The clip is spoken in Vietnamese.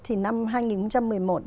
thì năm hai nghìn một mươi một đấy